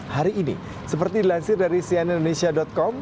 hari ini seperti dilansir dari sianindonesia com